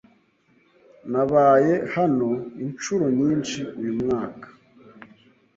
Nabaye hano inshuro nyinshi uyu mwaka.